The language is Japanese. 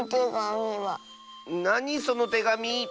なにそのてがみ？